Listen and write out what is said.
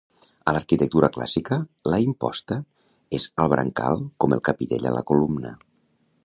A l'arquitectura clàssica, la imposta és al brancal com el capitell a la columna.